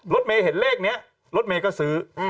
รถเมย์เห็นเลขนี้รถเมย์ก็ซื้อ